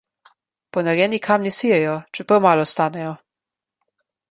Ponarejeni kamni sijejo, čeprav malo stanejo.